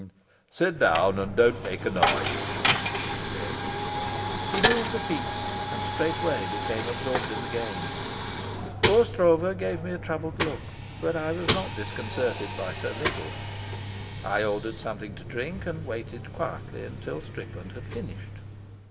"Sit down, and don't make a noise," he said. He moved a piece and straightway became absorbed in the game. Poor Stroeve gave me a troubled look, but I was not disconcerted by so little. I ordered something to drink, and waited quietly till Strickland had finished.